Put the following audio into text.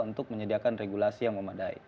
untuk menyediakan regulasi yang memadai